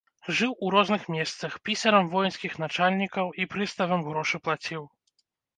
Жыў у розных месцах, пісарам воінскіх начальнікаў і прыставам грошы плаціў.